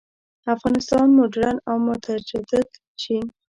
افغانستان مډرن او متجدد شي.